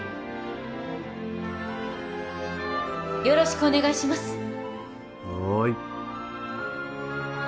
よろしくお願いします